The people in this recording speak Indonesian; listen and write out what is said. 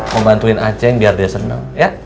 mau bantuin aceh biar dia seneng ya